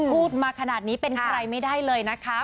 พูดมาขนาดนี้เป็นใครไม่ได้เลยนะคะ